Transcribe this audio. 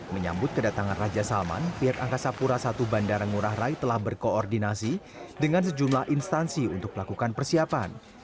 menyambut kedatangan raja salman pihak angkasa pura i bandara ngurah rai telah berkoordinasi dengan sejumlah instansi untuk melakukan persiapan